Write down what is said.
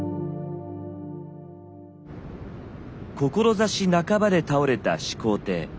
志半ばで倒れた始皇帝。